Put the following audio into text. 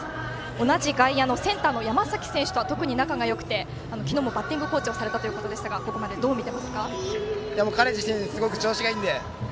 同じ外野のセンターの山崎選手とは特に仲がよくて昨日もバッティングコーチをされたということですが彼自身、すごく調子がいいので。